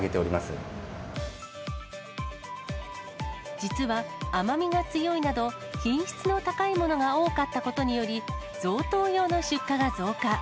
実は甘みが強いなど、品質の高いものが多かったことにより、贈答用の出荷が増加。